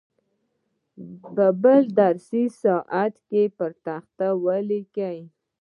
په بل درسي ساعت کې یې پر تخته ولیکئ.